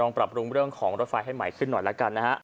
ปรับปรุงเรื่องของรถไฟให้ใหม่ขึ้นหน่อยแล้วกันนะฮะ